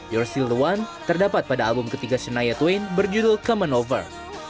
you're still the one terdapat pada album ketiga senaya twain berjudul come and over